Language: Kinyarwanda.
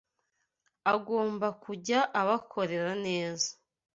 agomba kujya abakorera neza